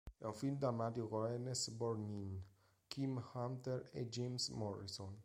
È un film drammatico con Ernest Borgnine, Kim Hunter e James Morrison.